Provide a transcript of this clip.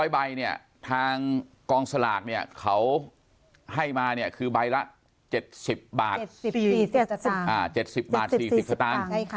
๕๐๐ใบทางกองสลากเขาให้มาคือใบละ๗๐บาท๔๐สตางค์